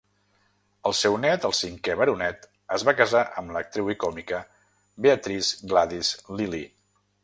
El seu net, el cinquè Baronet, es va casar amb l'actriu i còmica Beatrice Gladys Lillie.